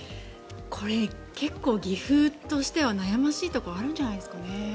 これ、結構岐阜としては悩ましいところがあるんじゃないですかね？